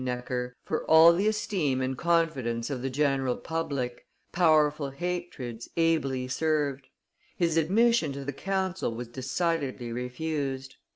Necker, for all the esteem and confidence of the general public, powerful hatreds, ably served: his admission to the council was decidedly refused.